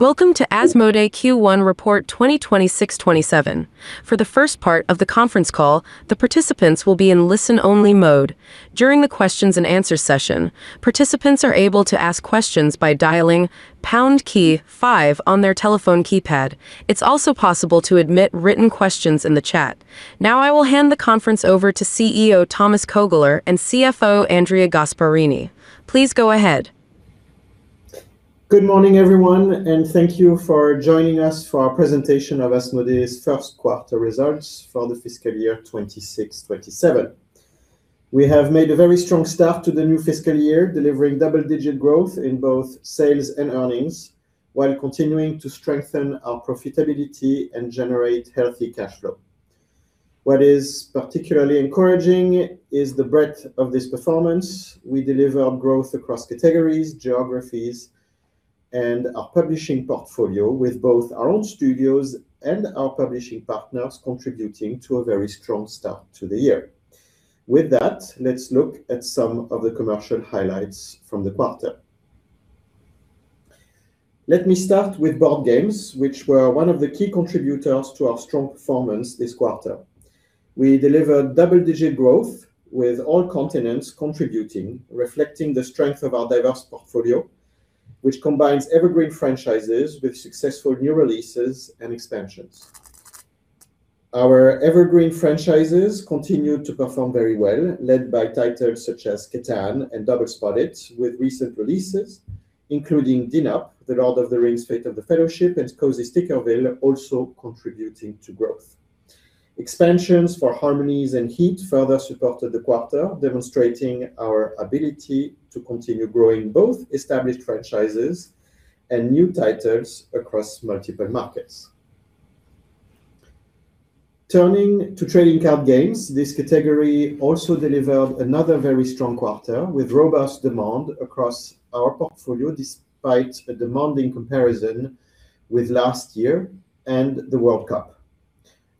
Welcome to Asmodee Q1 Report 2026-2027. For the first part of the conference call, the participants will be in listen-only mode. During the questions-and-answers session, participants are able to ask questions by dialing pound key five on their telephone keypad. It's also possible to admit written questions in the chat. Now I will hand the conference over to CEO, Thomas Kœgler, and CFO, Andrea Gasparini. Please go ahead. Good morning, everyone, and thank you for joining us for our presentation of Asmodee's first quarter results for the fiscal year 2026-2027. We have made a very strong start to the new fiscal year, delivering double-digit growth in both sales and earnings, while continuing to strengthen our profitability and generate healthy cash flow. What is particularly encouraging is the breadth of this performance. We deliver growth across categories, geographies, and our publishing portfolio with both our own studios and our publishing partners contributing to a very strong start to the year. With that, let's look at some of the commercial highlights from the quarter. Let me start with Board games, which were one of the key contributors to our strong performance this quarter. We delivered double-digit growth with all continents contributing, reflecting the strength of our diverse portfolio, which combines evergreen franchises with successful new releases and expansions. Our evergreen franchises continued to perform very well, led by titles such as Catan and Dobble Spot It, with recent releases, including dnup, The Lord of the Rings: Fate of the Fellowship, and Cozy Stickerville also contributing to growth. Expansions for Harmonies and Heat further supported the quarter, demonstrating our ability to continue growing both established franchises and new titles across multiple markets. Turning to Trading Card games, this category also delivered another very strong quarter, with robust demand across our portfolio despite a demanding comparison with last year and the World Cup.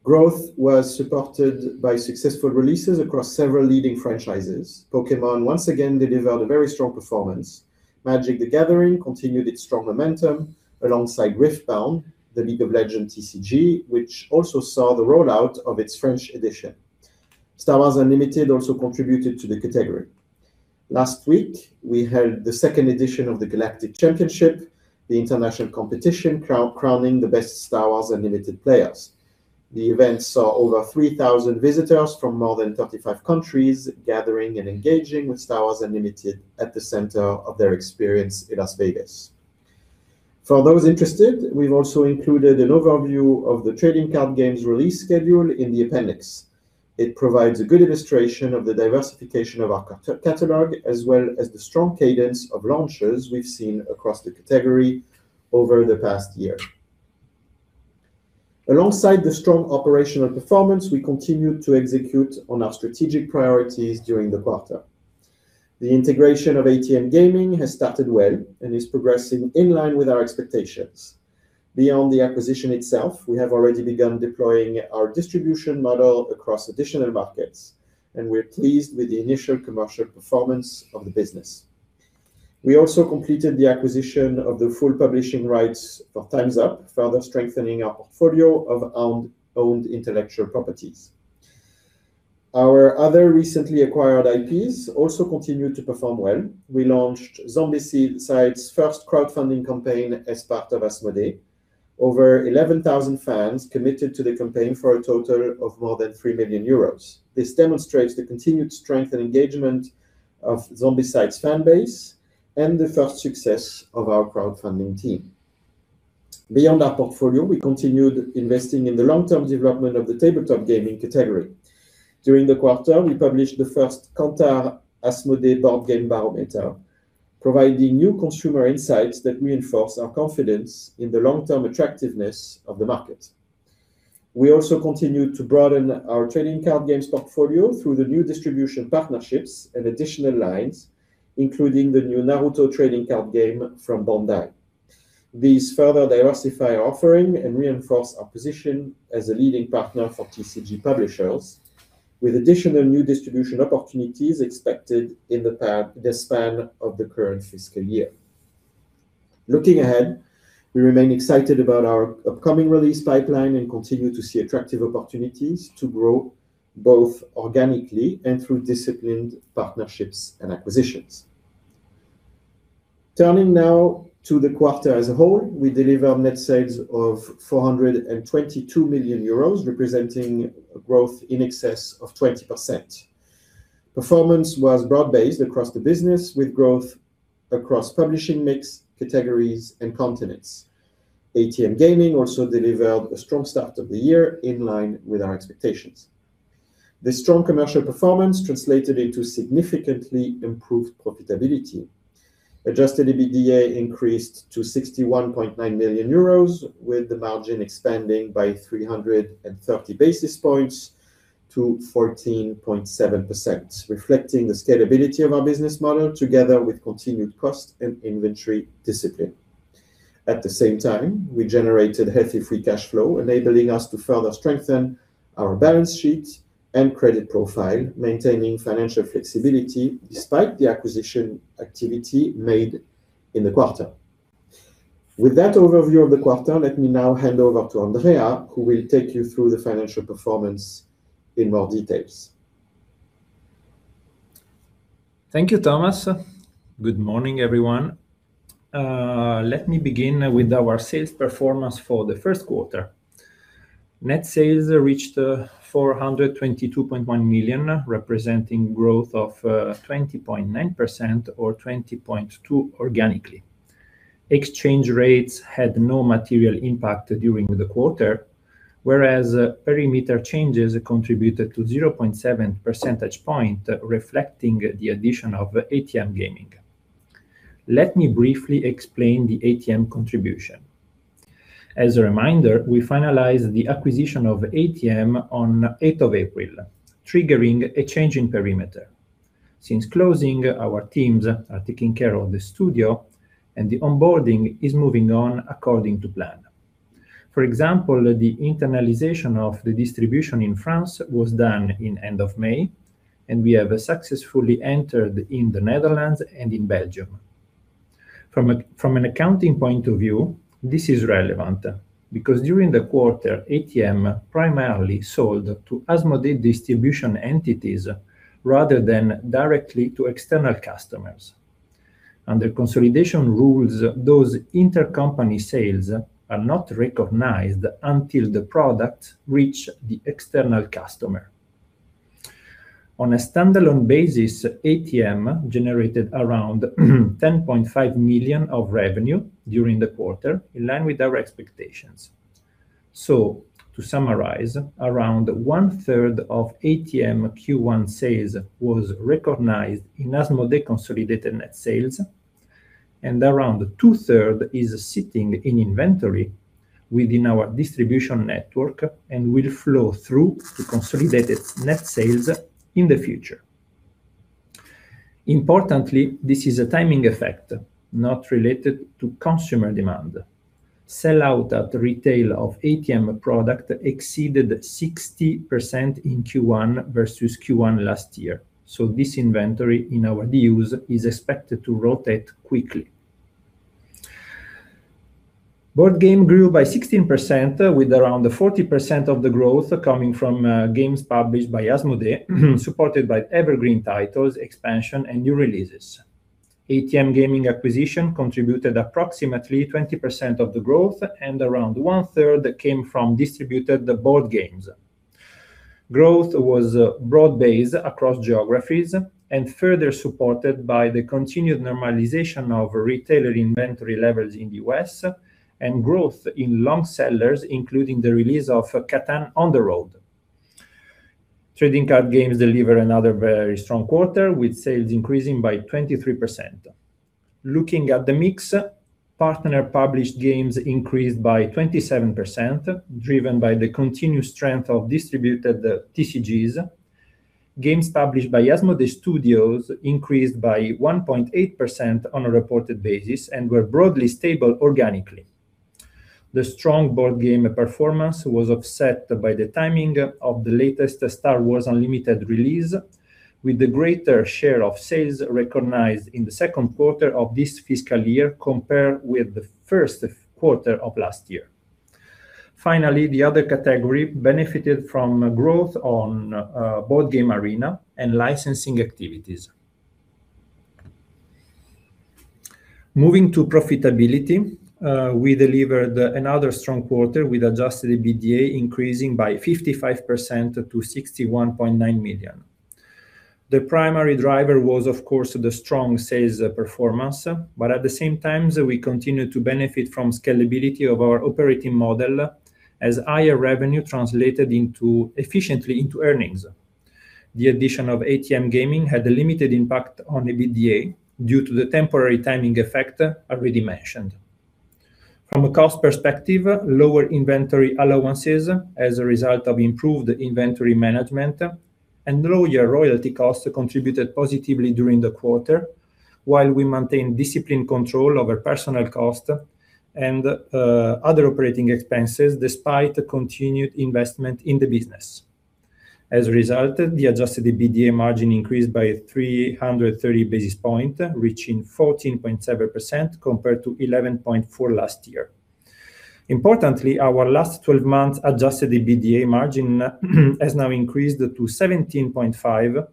Growth was supported by successful releases across several leading franchises. Pokémon, once again, delivered a very strong performance. Magic: The Gathering continued its strong momentum alongside Riftbound, the League of Legends TCG, which also saw the rollout of its French edition. Star Wars: Unlimited also contributed to the category. Last week, we held the second edition of the Galactic Championship, the international competition crowning the best Star Wars: Unlimited players. The event saw over 3,000 visitors from more than 35 countries gathering and engaging with Star Wars: Unlimited at the center of their experience in Las Vegas. For those interested, we've also included an overview of the trading card games release schedule in the appendix. It provides a good illustration of the diversification of our catalog, as well as the strong cadence of launches we've seen across the category over the past year. Alongside the strong operational performance, we continued to execute on our strategic priorities during the quarter. The integration of ATM Gaming has started well and is progressing in line with our expectations. Beyond the acquisition itself, we have already begun deploying our distribution model across additional markets, and we are pleased with the initial commercial performance of the business. We also completed the acquisition of the full publishing rights for Time's Up!, further strengthening our portfolio of owned intellectual properties. Our other recently acquired IPs also continued to perform well. We launched Zombicide's first crowdfunding campaign as part of Asmodee. Over 11,000 fans committed to the campaign for a total of more than 3 million euros. This demonstrates the continued strength and engagement of Zombicide's fan base and the first success of our crowdfunding team. Beyond our portfolio, we continued investing in the long-term development of the tabletop gaming category. During the quarter, we published the first Kantar x Asmodee [Tabletop] Game Barometer, providing new consumer insights that reinforce our confidence in the long-term attractiveness of the market. We also continued to broaden our trading card games portfolio through the new distribution partnerships and additional lines, including the new Naruto [Trading] Card Game from Bandai. These further diversify our offering and reinforce our position as a leading partner for TCG publishers, with additional new distribution opportunities expected in the span of the current fiscal year. Looking ahead, we remain excited about our upcoming release pipeline and continue to see attractive opportunities to grow both organically and through disciplined partnerships and acquisitions. Turning now to the quarter as a whole, we delivered net sales of 422 million euros, representing a growth in excess of 20%. Performance was broad-based across the business with growth across publishing mix, categories, and continents. ATM Gaming also delivered a strong start of the year in line with our expectations. This strong commercial performance translated into significantly improved profitability. Adjusted EBITDA increased to 61.9 million euros with the margin expanding by 330 basis points to 14.7%, reflecting the scalability of our business model together with continued cost and inventory discipline. At the same time, we generated healthy free cash flow, enabling us to further strengthen our balance sheet and credit profile, maintaining financial flexibility despite the acquisition activity made in the quarter. With that overview of the quarter, let me now hand over to Andrea, who will take you through the financial performance in more details. Thank you, Thomas. Good morning, everyone. Let me begin with our sales performance for the first quarter. Net sales reached 422.1 million, representing growth of 20.9% or 20.2% organically. Exchange rates had no material impact during the quarter, whereas perimeter changes contributed to 0.7 percentage point, reflecting the addition of ATM Gaming. Let me briefly explain the ATM contribution. As a reminder, we finalized the acquisition of ATM on April 8th, triggering a change in perimeter. Since closing, our teams are taking care of the studio and the onboarding is moving on according to plan. For example, the internalization of the distribution in France was done in end of May, and we have successfully entered in the Netherlands and in Belgium. From an accounting point of view, this is relevant because during the quarter, ATM primarily sold to Asmodee distribution entities rather than directly to external customers. Under consolidation rules, those intercompany sales are not recognized until the product reach the external customer. On a standalone basis, ATM generated around 10.5 million of revenue during the quarter, in line with our expectations. To summarize, around 1/3 of ATM Q1 sales was recognized in Asmodee consolidated net sales and around 2/3 is sitting in inventory within our distribution network and will flow through to consolidated net sales in the future. Importantly, this is a timing effect, not related to consumer demand. Sell-out at retail of ATM product exceeded 60% in Q1 versus Q1 last year. This inventory in our views is expected to rotate quickly. Board game grew by 16% with around 40% of the growth coming from games published by Asmodee, supported by evergreen titles, expansion, and new releases. ATM Gaming acquisition contributed approximately 20% of the growth and around 1/3 came from distributed board games. Growth was broad-based across geographies and further supported by the continued normalization of retailer inventory levels in the U.S. and growth in long sellers, including the release of CATAN – On The Road. Trading card games deliver another very strong quarter, with sales increasing by 23%. Looking at the mix, partner published games increased by 27%, driven by the continued strength of distributed TCGs. Games published by Asmodee Studios increased by 1.8% on a reported basis and were broadly stable organically. The strong Board game performance was offset by the timing of the latest Star Wars: Unlimited release, with the greater share of sales recognized in the second quarter of this fiscal year compared with the first quarter of last year. Finally, the other category benefited from growth on Board Game Arena and licensing activities. Moving to profitability, we delivered another strong quarter with adjusted EBITDA increasing by 55% to 61.9 million. The primary driver was, of course, the strong sales performance, but at the same time, we continued to benefit from scalability of our operating model as higher revenue translated efficiently into earnings. The addition of ATM Gaming had a limited impact on EBITDA due to the temporary timing effect already mentioned. From a cost perspective, lower inventory allowances as a result of improved inventory management and lower royalty costs contributed positively during the quarter, while we maintain disciplined control over personnel cost and other operating expenses despite continued investment in the business. As a result, the adjusted EBITDA margin increased by 330 basis point, reaching 14.7% compared to 11.4% last year. Importantly, our last 12 months adjusted EBITDA margin has now increased to 17.5%,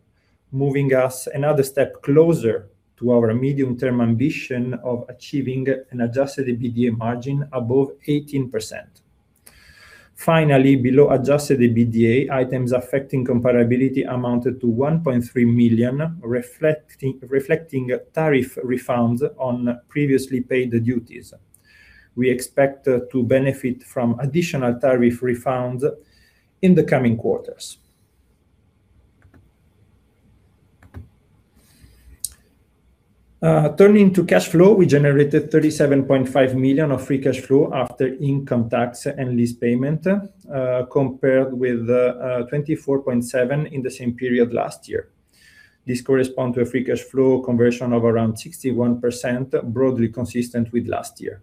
moving us another step closer to our medium-term ambition of achieving an adjusted EBITDA margin above 18%. Finally, below adjusted EBITDA, items affecting comparability amounted to 1.3 million, reflecting tariff refunds on previously paid duties. We expect to benefit from additional tariff refunds in the coming quarters. Turning to cash flow, we generated 37.5 million of free cash flow after income tax and lease payment, compared with 24.7 million in the same period last year. This correspond to a free cash flow conversion of around 61%, broadly consistent with last year.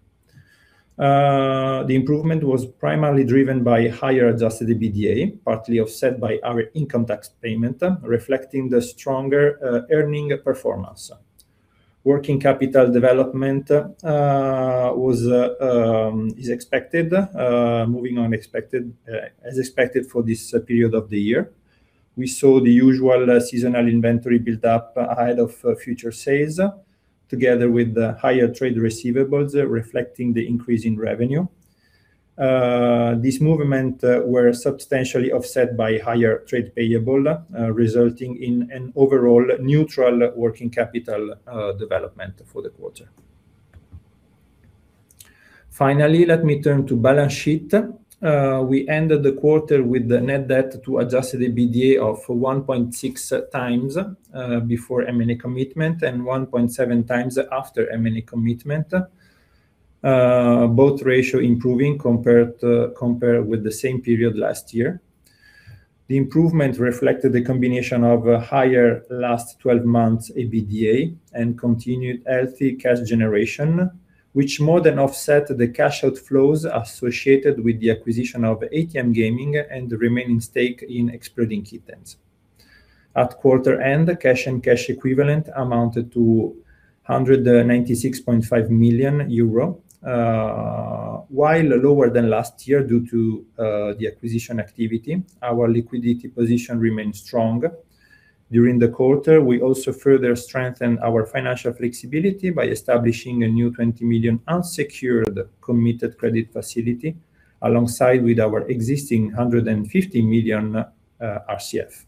The improvement was primarily driven by higher adjusted EBITDA, partly offset by our income tax payment, reflecting the stronger earnings performance. Working capital development is expected, moving as expected for this period of the year. We saw the usual seasonal inventory build up ahead of future sales, together with the higher trade receivables reflecting the increase in revenue. This movement was substantially offset by higher trade payable, resulting in an overall neutral working capital development for the quarter. Finally, let me turn to balance sheet. We ended the quarter with the net debt to adjusted EBITDA of 1.6x before M&A commitment and 1.7x after M&A commitment. Both ratios improving compared with the same period last year. The improvement reflected the combination of higher last 12 months EBITDA and continued healthy cash generation, which more than offset the cash outflows associated with the acquisition of ATM Gaming and the remaining stake in Exploding Kittens. At quarter end, cash and cash equivalent amounted to 196.5 million euro. While lower than last year due to the acquisition activity, our liquidity position remains strong. During the quarter, we also further strengthened our financial flexibility by establishing a new 20 million unsecured committed credit facility, alongside with our existing 150 million RCF.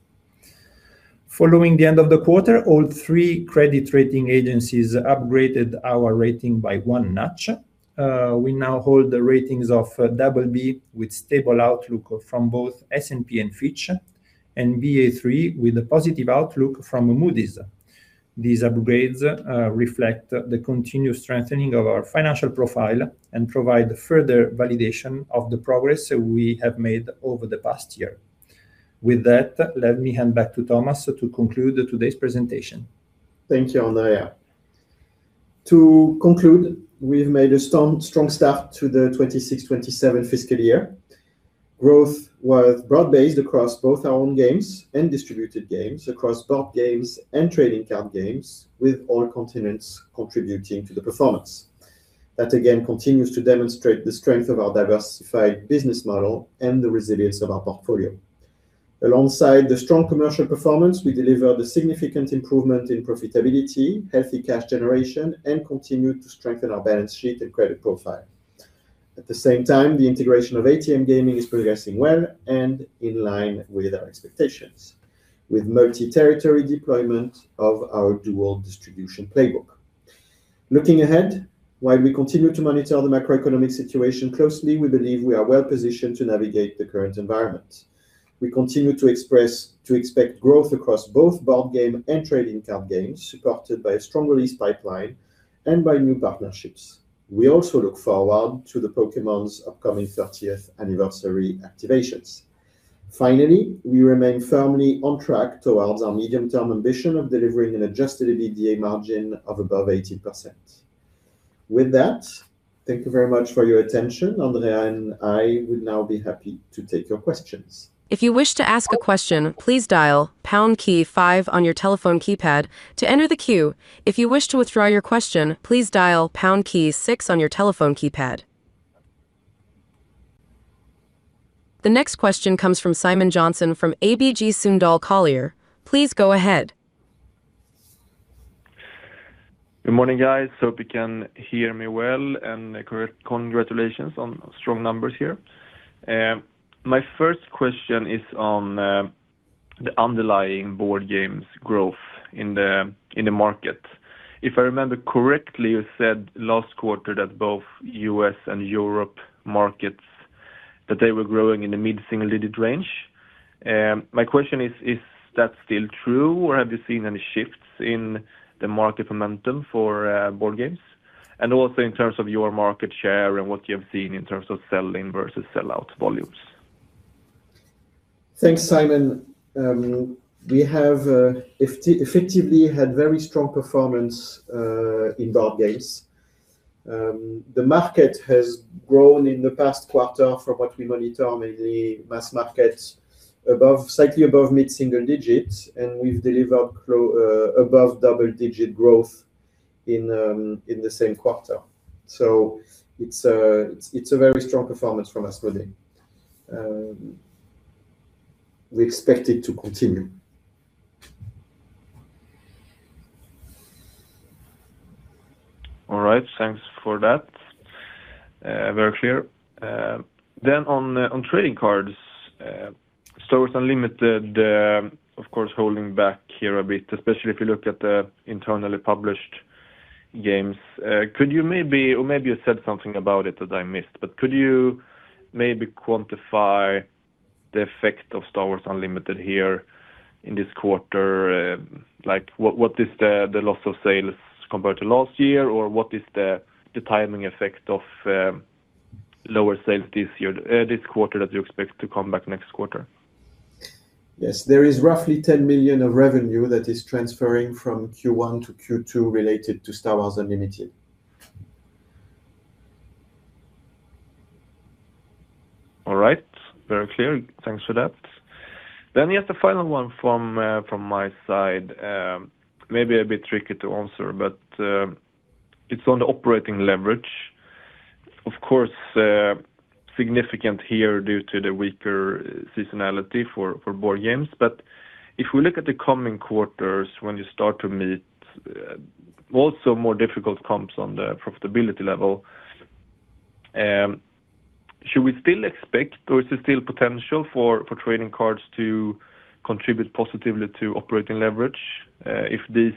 Following the end of the quarter, all three credit rating agencies upgraded our rating by one notch. We now hold the ratings of BB with stable outlook from both S&P and Fitch, and Ba3 with a positive outlook from Moody's. These upgrades reflect the continued strengthening of our financial profile and provide further validation of the progress we have made over the past year. With that, let me hand back to Thomas to conclude today's presentation. Thank you, Andrea. To conclude, we've made a strong start to the 2026-2027 fiscal year. Growth was broad-based across both our own games and distributed games, across Board games and Trading Card games, with all continents contributing to the performance. That, again, continues to demonstrate the strength of our diversified business model and the resilience of our portfolio. Alongside the strong commercial performance, we delivered a significant improvement in profitability, healthy cash generation, and continued to strengthen our balance sheet and credit profile. At the same time, the integration of ATM Gaming is progressing well and in line with our expectations, with multi-territory deployment of our dual distribution playbook. Looking ahead, while we continue to monitor the macroeconomic situation closely, we believe we are well positioned to navigate the current environment. We continue to expect growth across both board game and trading card games, supported by a strong release pipeline and by new partnerships. We also look forward to the Pokémon's upcoming 30th anniversary activations. Finally, we remain firmly on track towards our medium-term ambition of delivering an adjusted EBITDA margin of above 18%. With that, thank you very much for your attention. Andrea and I would now be happy to take your questions. If you wish to ask a question, please dial pound key five on your telephone keypad to enter the queue. If you wish to withdraw your question, please dial pound key six on your telephone keypad. The next question comes from Simon Jönsson from ABG Sundal Collier. Please go ahead. Good morning, guys. Hope you can hear me well. Congratulations on strong numbers here. My first question is on the underlying Board games growth in the market. If I remember correctly, you said last quarter that both U.S. and Europe markets, that they were growing in the mid-single digit range. My question is that still true, or have you seen any shifts in the market momentum for Board games? Also in terms of your market share and what you have seen in terms of sell-in versus sell-out volumes. Thanks, Simon. We have effectively had very strong performance in board games. The market has grown in the past quarter from what we monitor in the mass market slightly above mid-single digits. We've delivered above double-digit growth in the same quarter. It's a very strong performance from Asmodee. We expect it to continue. All right. Thanks for that. Very clear. On trading cards, Star Wars: Unlimited, of course, holding back here a bit, especially if you look at the internally published games. Maybe you said something about it that I missed, but could you maybe quantify the effect of Star Wars: Unlimited here in this quarter? What is the loss of sales compared to last year? What is the timing effect of lower sales this quarter that you expect to come back next quarter? Yes, there is roughly 10 million of revenue that is transferring from Q1-Q2 related to Star Wars: Unlimited. All right. Very clear. Thanks for that. Just a final one from my side, maybe a bit tricky to answer, but it's on the operating leverage. Of course, significant here due to the weaker seasonality for Board games. If we look at the coming quarters, when you start to meet also more difficult comps on the profitability level, should we still expect there is still potential for trading cards to contribute positively to operating leverage if these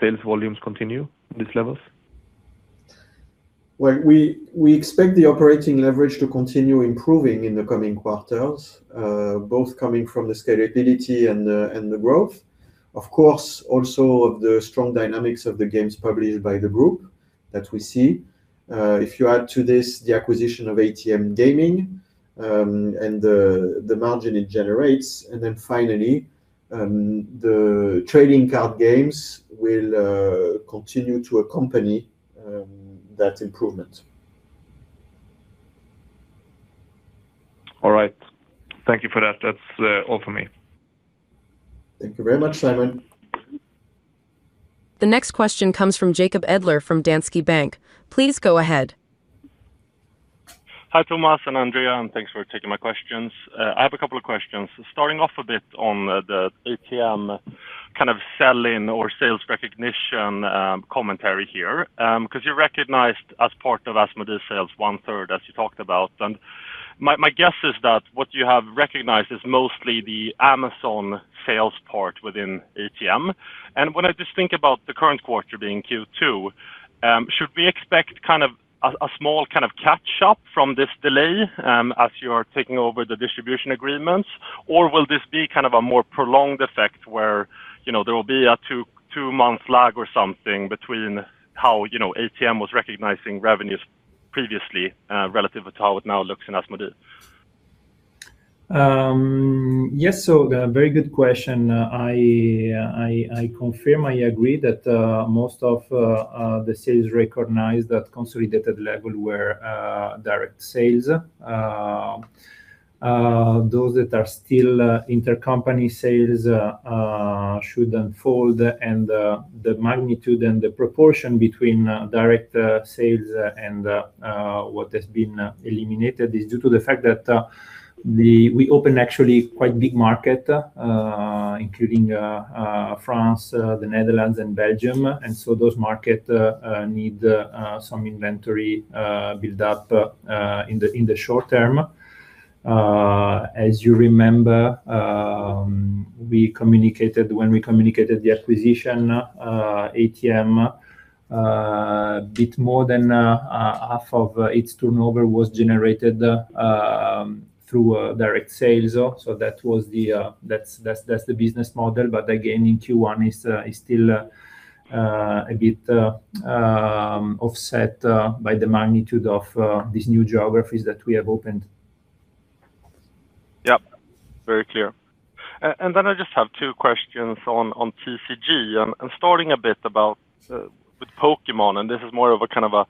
sales volumes continue at these levels? Well, we expect the operating leverage to continue improving in the coming quarters, both coming from the scalability and the growth. Of course, also of the strong dynamics of the games published by the group that we see. If you add to this the acquisition of ATM Gaming and the margin it generates, finally, the trading card games will continue to accompany that improvement. All right. Thank you for that. That's all for me. Thank you very much, Simon. The next question comes from Jacob Edler from Danske Bank. Please go ahead. Hi, Thomas and Andrea, thanks for taking my questions. I have a couple of questions. Starting off a bit on the ATM kind of sell-in or sales recognition commentary here because you recognized as part of Asmodee sales 1/3, as you talked about. My guess is that what you have recognized is mostly the Amazon sales part within ATM. When I just think about the current quarter being Q2, should we expect a small kind of catch-up from this delay as you are taking over the distribution agreements? Or will this be kind of a more prolonged effect where there will be a two-month lag or something between how ATM was recognizing revenues previously relative to how it now looks in Asmodee? Yes, very good question. I confirm, I agree that most of the sales recognized at consolidated level were direct sales. Those that are still intercompany sales should unfold, and the magnitude and the proportion between direct sales and what has been eliminated is due to the fact that we open actually quite big market, including France, the Netherlands, and Belgium. Those markets need some inventory build-up in the short term. As you remember, when we communicated the acquisition ATM, a bit more than half of its turnover was generated through direct sales. That's the business model. Again, in Q1 it's still a bit offset by the magnitude of these new geographies that we have opened. Yep. Very clear. I just have two questions on TCG, starting a bit with Pokémon, this is more of a kind of a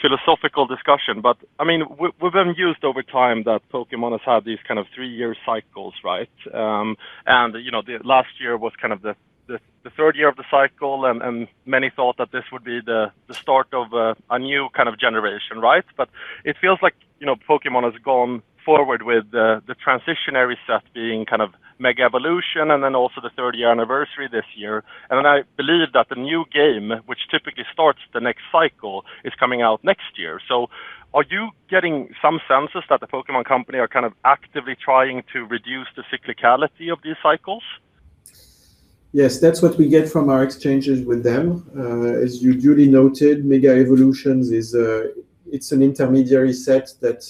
philosophical discussion. We've been used over time that Pokémon has had these kind of three-year cycles, right? The last year was kind of the third year of the cycle, many thought that this would be the start of a new kind of generation, right? It feels like Pokémon has gone forward with the transitionary set being kind of Mega Evolution, also the third year anniversary this year. I believe that the new game, which typically starts the next cycle, is coming out next year. Are you getting some senses that The Pokémon Company are kind of actively trying to reduce the cyclicality of these cycles? Yes, that's what we get from our exchanges with them. As you duly noted, Mega Evolution is an intermediary set that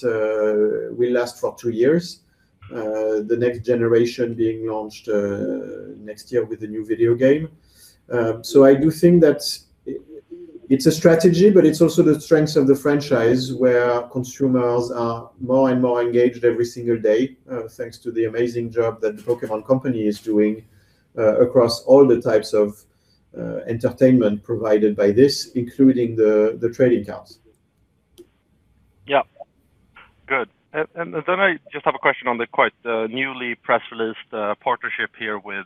will last for two years. The next generation being launched next year with the new video game. I do think that it's a strategy, it's also the strength of the franchise where consumers are more and more engaged every single day, thanks to the amazing job that The Pokémon Company is doing across all the types of entertainment provided by this, including the trading cards. Yeah. Good. I just have a question on the quite newly press released partnership here with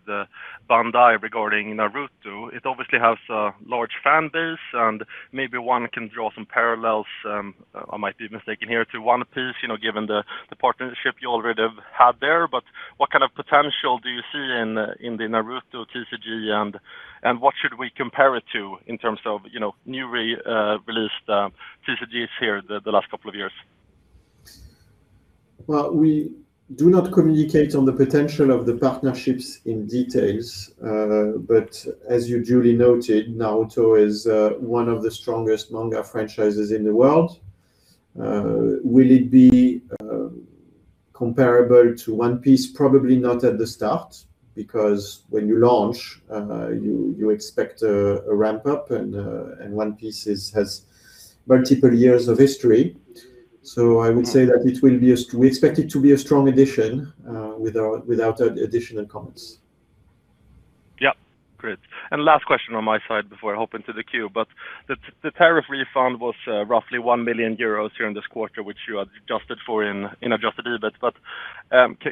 Bandai regarding Naruto. It obviously has a large fan base, maybe one can draw some parallels, I might be mistaken here, to One Piece, given the partnership you already have had there. What kind of potential do you see in the Naruto TCG, what should we compare it to in terms of newly released TCGs here the last couple of years? We do not communicate on the potential of the partnerships in details. As you duly noted, Naruto is one of the strongest manga franchises in the world. Will it be comparable to One Piece? Probably not at the start because when you launch, you expect a ramp-up, One Piece has multiple years of history. I would say that we expect it to be a strong addition without additional comments. Yeah. Great. Last question on my side before I open to the queue, but the tariff refund was roughly 1 million euros here in this quarter, which you adjusted for in adjusted EBIT.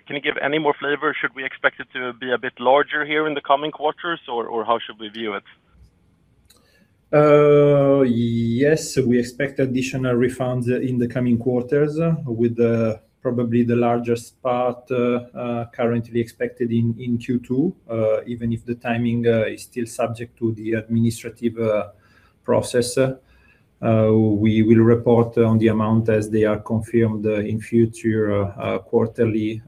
Can you give any more flavor? Should we expect it to be a bit larger here in the coming quarters, or how should we view it? Yes, we expect additional refunds in the coming quarters, with probably the largest part currently expected in Q2. Even if the timing is still subject to the administrative process. We will report on the amount as they are confirmed in future quarterly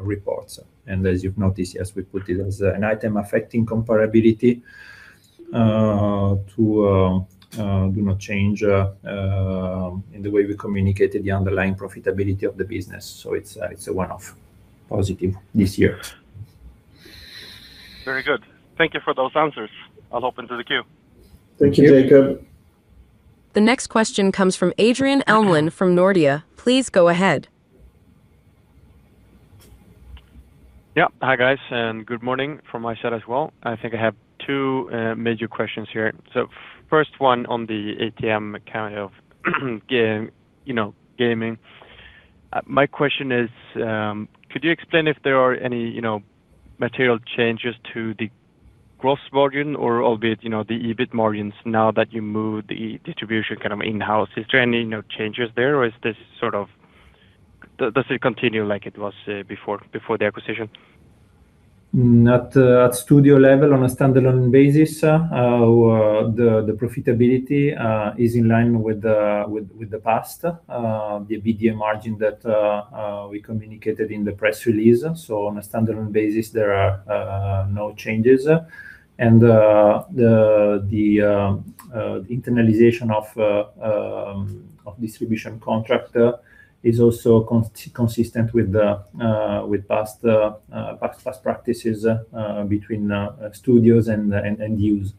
reports. As you've noticed, yes, we put it as an item affecting comparability to do not change in the way we communicated the underlying profitability of the business. So it's a one-off positive this year. Very good. Thank you for those answers. I'll open to the queue. Thank you, Jacob Edler. The next question comes from Adrian Elmlund from Nordea. Please go ahead. Yeah. Hi, guys, and good morning from my side as well. I think I have two major questions here. First one on the ATM Gaming. My question is, could you explain if there are any material changes to the gross margin or albeit the EBIT margins now that you moved the distribution kind of in-house? Is there any changes there, or does it continue like it was before the acquisition? Not at studio level on a standalone basis. The profitability is in line with the past, the EBITDA margin that we communicated in the press release. On a standalone basis, there are no changes. The internalization of distribution contract is also consistent with past practices between studios and us.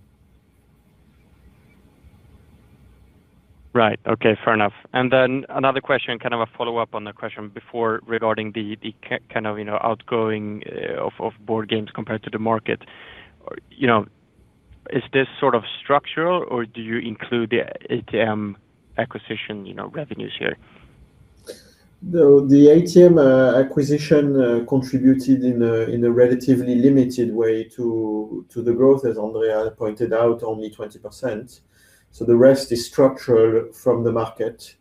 Right. Okay. Fair enough. Another question, kind of a follow-up on the question before regarding the kind of outgoing of board games compared to the market. Is this sort of structural, or do you include the ATM acquisition revenues here? The ATM acquisition contributed in a relatively limited way to the growth, as Andrea pointed out, only 20%. The rest is structural from the market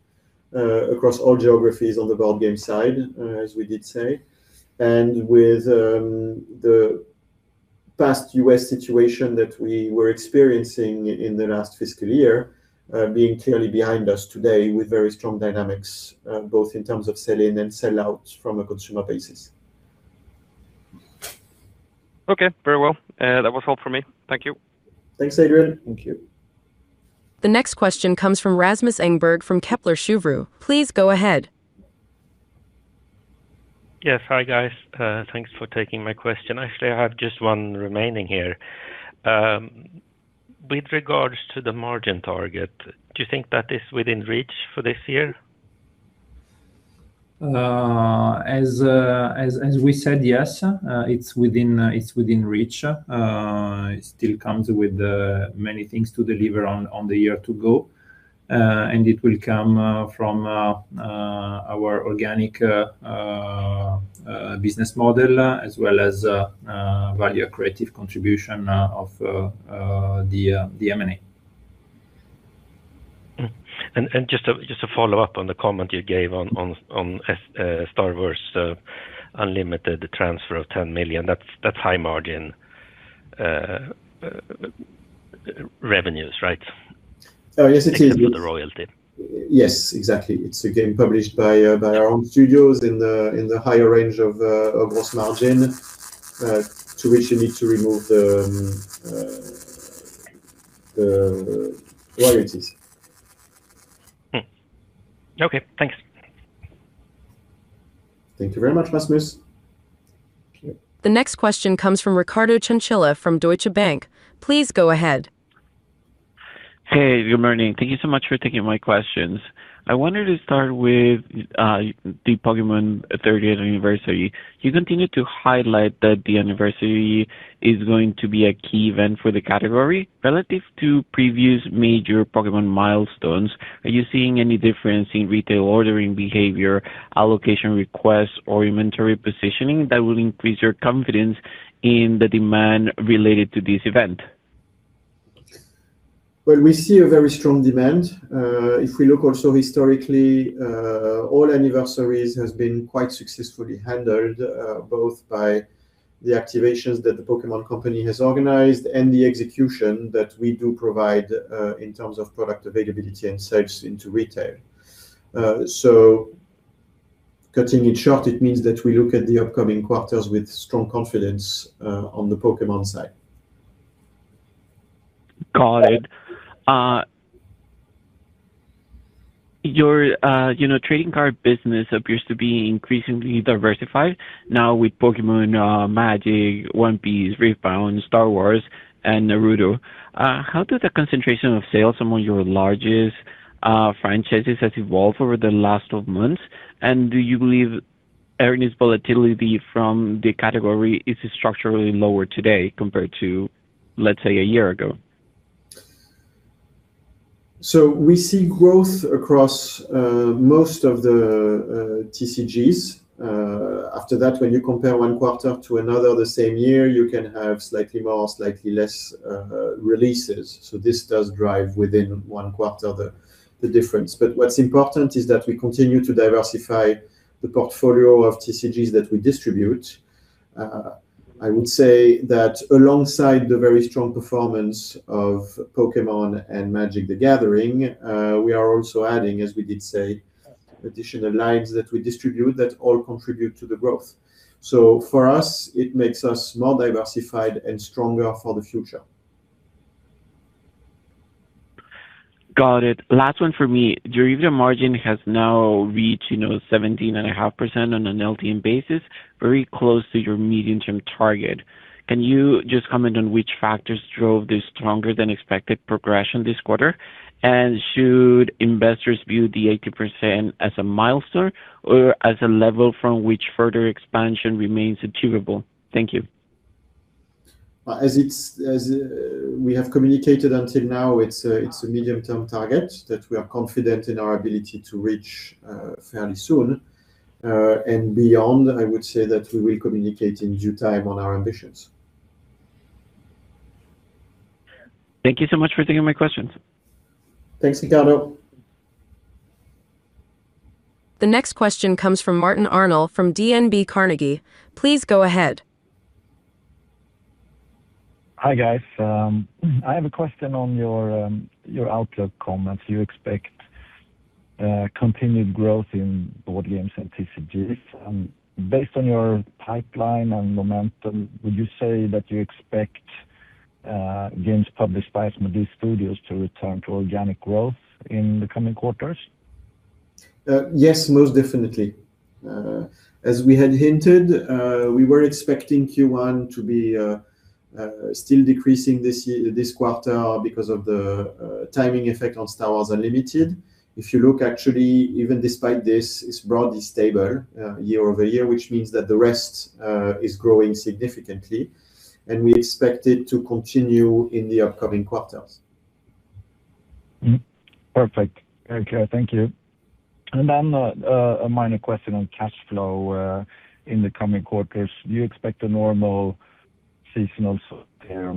across all geographies on the board game side, as we did say, and with the past U.S. situation that we were experiencing in the last fiscal year being clearly behind us today with very strong dynamics, both in terms of sell-in and sell-out from a consumer basis. Very well. That was all from me. Thank you. Thanks, Adrian. Thank you. The next question comes from Rasmus Engberg from Kepler Cheuvreux. Please go ahead. Yes. Hi, guys. Thanks for taking my question. Actually, I have just one remaining here. With regards to the margin target, do you think that is within reach for this year? As we said, yes, it's within reach. It still comes with many things to deliver on the year to go, it will come from our organic business model as well as value accretive contribution of the M&A. Just to follow up on the comment you gave on Star Wars: Unlimited, the transfer of 10 million, that's high margin revenues, right? Oh, yes it is. Except for the royalty. Yes, exactly. It's a game published by our own studios in the higher range of gross margin, to which you need to remove the royalties. Okay. Thanks. Thank you very much, Rasmus. Thank you. The next question comes from Ricardo Chinchilla from Deutsche Bank. Please go ahead. Hey, good morning. Thank you so much for taking my questions. I wanted to start with the Pokémon 30th anniversary. You continue to highlight that the anniversary is going to be a key event for the category. Relative to previous major Pokémon milestones, are you seeing any difference in retail ordering behavior, allocation requests, or inventory positioning that will increase your confidence in the demand related to this event? We see a very strong demand. If we look also historically, all anniversaries has been quite successfully handled, both by the activations that The Pokémon Company has organized and the execution that we do provide in terms of product availability and sales into retail. Cutting it short, it means that we look at the upcoming quarters with strong confidence on the Pokémon side. Got it. Your trading card business appears to be increasingly diversified now with Pokémon, Magic, One Piece, Riftbound, Star Wars, and Naruto. How do the concentration of sales among your largest franchises has evolved over the last 12 months, and earnings volatility from the category is structurally lower today compared to, let's say, a year ago? We see growth across most of the TCGs. After that, when you compare one quarter to another the same year, you can have slightly more, slightly less releases. This does drive within one quarter the difference. But what's important is that we continue to diversify the portfolio of TCGs that we distribute. I would say that alongside the very strong performance of Pokémon and Magic: The Gathering, we are also adding, as we did say, additional lines that we distribute that all contribute to the growth. For us, it makes us more diversified and stronger for the future. Got it. Last one for me. Your EBITDA margin has now reached 17.5% on an LTM basis, very close to your medium-term target. Can you just comment on which factors drove this stronger than expected progression this quarter? And should investors view the 18% as a milestone or as a level from which further expansion remains achievable? Thank you. As we have communicated until now, it's a medium-term target that we are confident in our ability to reach fairly soon. Beyond, I would say that we will communicate in due time on our ambitions. Thank you so much for taking my questions. Thanks, Ricardo. The next question comes from Martin Arnell from DNB Carnegie. Please go ahead. Hi, guys. I have a question on your outlook comments. You expect continued growth in Board games and TCGs. Based on your pipeline and momentum, would you say that you expect games published by Asmodee Studios to return to organic growth in the coming quarters? Yes, most definitely. As we had hinted, we were expecting Q1 to be still decreasing this quarter because of the timing effect on Star Wars: Unlimited. If you look actually, even despite this, it is broadly stable year-over-year, which means that the rest is growing significantly, and we expect it to continue in the upcoming quarters. Perfect. Okay, thank you. Then a minor question on cash flow in the coming quarters. Do you expect a normal seasonal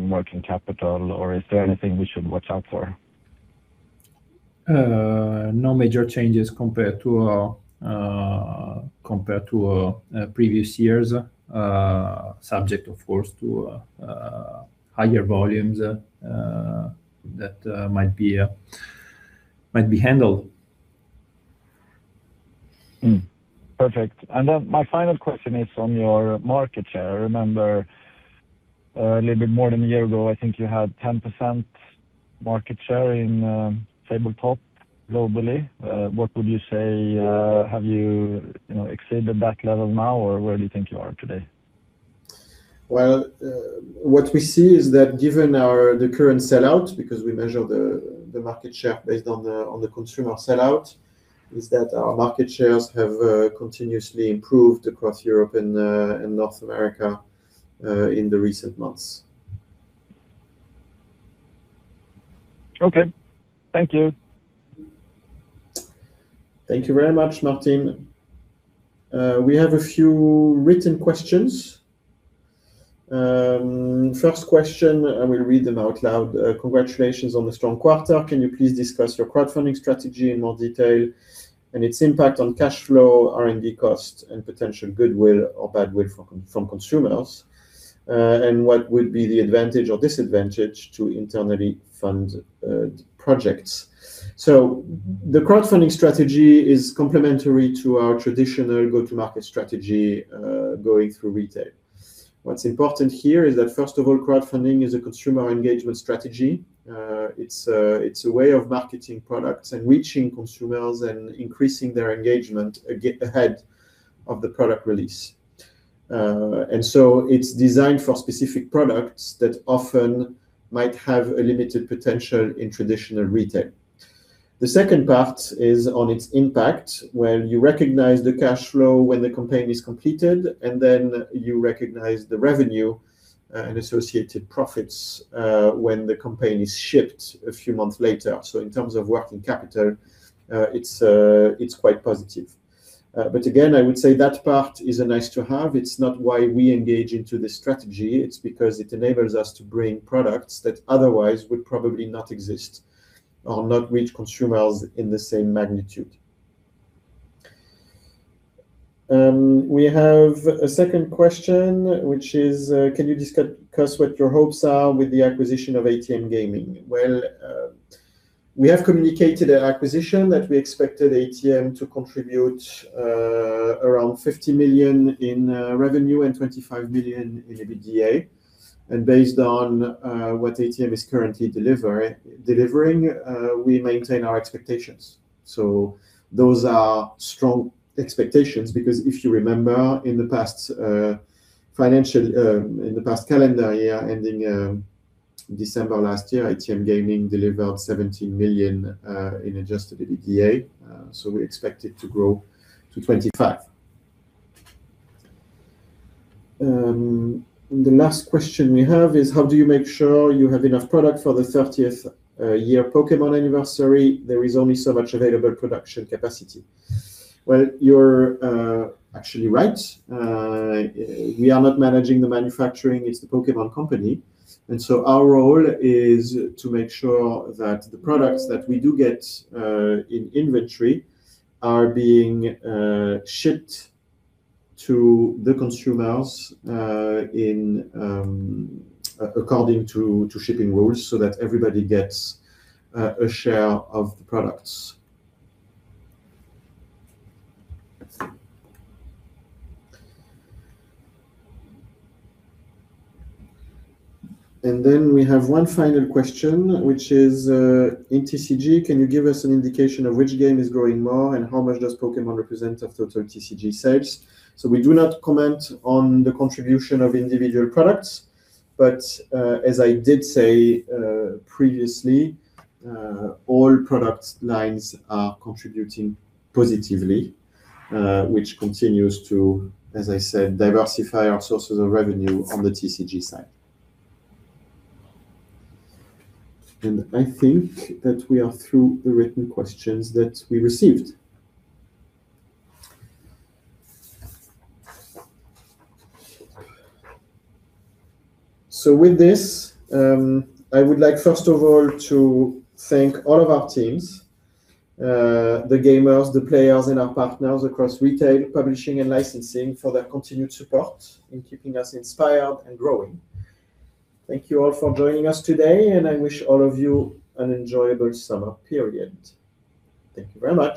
working capital, or is there anything we should watch out for? No major changes compared to previous years, subject, of course, to higher volumes that might be handled. Perfect. My final question is on your market share. I remember a little bit more than a year ago, I think you had 10% market share in tabletop globally. What would you say, have you exceeded that level now, or where do you think you are today? Well, what we see is that given the current sell-out, because we measure the market share based on the consumer sell-out, is that our market shares have continuously improved across Europe and North America in the recent months. Okay. Thank you. Thank you very much, Martin. We have a few written questions. First question, I will read them out loud. Congratulations on the strong quarter. Can you please discuss your crowdfunding strategy in more detail and its impact on cash flow, R&D cost, and potential goodwill or badwill from consumers? What will be the advantage or disadvantage to internally fund projects? The crowdfunding strategy is complementary to our traditional go-to-market strategy, going through retail. What's important here is that, first of all, crowdfunding is a consumer engagement strategy. It's a way of marketing products and reaching consumers and increasing their engagement ahead of the product release. It's designed for specific products that often might have a limited potential in traditional retail. The second part is on its impact, where you recognize the cash flow when the campaign is completed, then you recognize the revenue and associated profits when the campaign is shipped a few months later. In terms of working capital, it's quite positive. Again, I would say that part is a nice to have. It's not why we engage into the strategy. It's because it enables us to bring products that otherwise would probably not exist or not reach consumers in the same magnitude. We have a second question, which is, can you discuss what your hopes are with the acquisition of ATM Gaming? We have communicated an acquisition that we expected ATM to contribute around 50 million in revenue and 25 million in EBITDA. Based on what ATM is currently delivering, we maintain our expectations. Those are strong expectations because if you remember in the past calendar year ending December last year, ATM Gaming delivered 17 million in adjusted EBITDA, we expect it to grow to 25 million. The last question we have is, "How do you make sure you have enough product for the 30th year Pokémon anniversary? There is only so much available production capacity." You're actually right. We are not managing the manufacturing, it's The Pokémon Company. Our role is to make sure that the products that we do get in inventory are being shipped to the consumers according to shipping rules so that everybody gets a share of the products. We have one final question, which is, "In TCG, can you give us an indication of which game is growing more, and how much does Pokémon represent of total TCG sales?" We do not comment on the contribution of individual products, but as I did say previously, all product lines are contributing positively, which continues to, as I said, diversify our sources of revenue on the TCG side. I think that we are through the written questions that we received. With this, I would like, first of all, to thank all of our teams, the gamers, the players in our partners across retail, publishing and licensing for their continued support in keeping us inspired and growing. Thank you all for joining us today, I wish all of you an enjoyable summer period. Thank you very much.